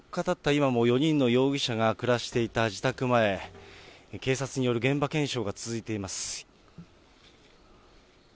今も、４人の容疑者が暮らしていた自宅前、警察による現場検証が続いています。